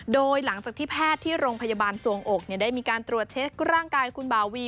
โดยหลังจากที่แพทย์ที่โรงพยาบาลสวงอกได้มีการตรวจเช็คร่างกายคุณบ่าวี